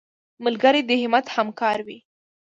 ملګری د همت همکار وي